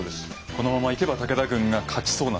このままいけば武田軍が勝ちそうな